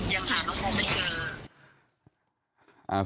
ยังหาน้องมองไม่เกิน